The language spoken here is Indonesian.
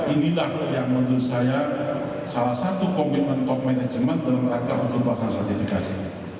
inilah yang menurut saya salah satu komitmen top management dalam rangka untuk melaksanakan sertifikasi